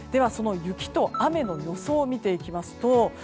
雪と雨の予想を見ていきますと